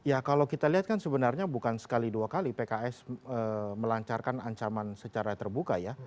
ya kalau kita lihat kan sebenarnya bukan sekali dua kali pks melancarkan ancaman secara terbuka ya